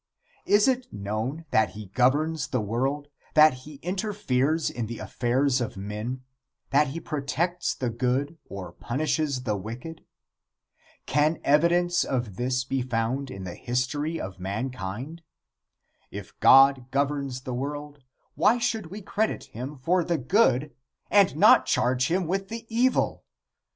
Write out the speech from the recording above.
Is it known that he governs the world; that he interferes in the affairs of men; that he protects the good or punishes the wicked? Can evidence of this be found in the history of mankind? If God governs the world, why should we credit him for the good and not charge him with the evil?